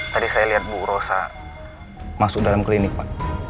tadi saya lihat bu rosa masuk dalam klinik pak